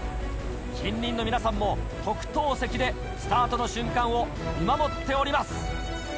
近隣の皆さんも特等席でスタートの瞬間を見守っております。